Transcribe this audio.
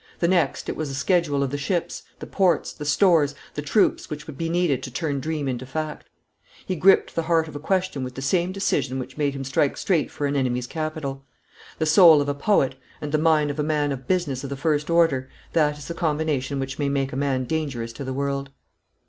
The next it was a schedule of the ships, the ports, the stores, the troops, which would be needed to turn dream into fact. He gripped the heart of a question with the same decision which made him strike straight for an enemy's capital. The soul of a poet, and the mind of a man of business of the first order, that is the combination which may make a man dangerous to the world.